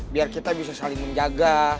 biar kita bisa saling menjaga